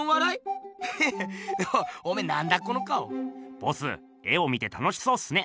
ボス絵を見て楽しそうっすね。